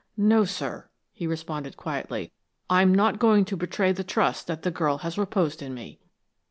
"No, sir," he responded, quietly. "I'm not going to betray the trust that girl has reposed in me."